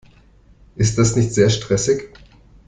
Ist das nicht sehr stressig?